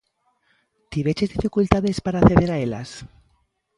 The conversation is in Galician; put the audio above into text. Tiveches dificultades para acceder a elas?